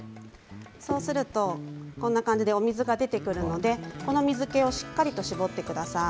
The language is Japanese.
そうするとお水が出てくるのでこの水けをしっかりと絞ってください。